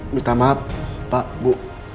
minta maaf pak bu